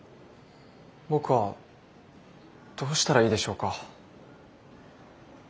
僕はどうしたらいいでしょうか。